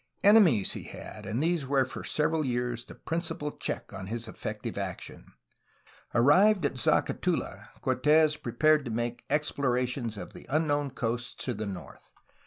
Ene mies he had, and these were for several years the principal check on his effective action. Arrived at Zacatula, Cortes prepared to make explorations of the unknown coasts to the north.